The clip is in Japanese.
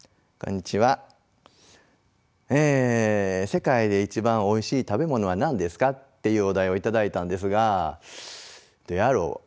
「世界で一番おいしい食べ物は何ですか？」っていうお題を頂いたんですがどやろ？